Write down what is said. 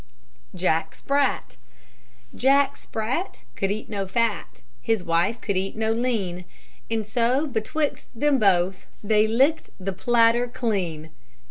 JACK SPRAT Jack Sprat Could eat no fat, His wife could eat no lean; And so, Betwixt them both, They licked the platter clean.